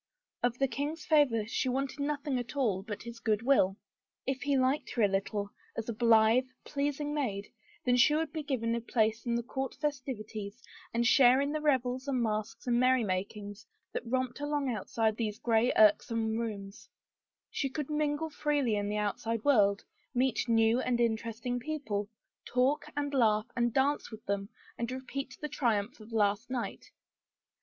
Of the king's favor she wanted nothing at all but his good will. If he liked her a little, as a blithe, pleasing maid, then she would be given a place in the court festivities and share in the revels and masques and merrymakings that romped along outside these gray, irksome rooms; she could mingle freely in the outside world, meet new and interesting people, talk and laugh and dance with them and repeat the triumph of last night.